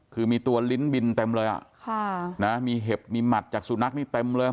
คือมีตัวลิ้นบินเต็มเลยอ่ะค่ะนะมีเห็บมีหมัดจากสุนัขนี่เต็มเลย